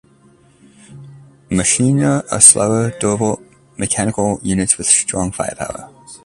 Machina are slower, durable mechanical units with strong firepower.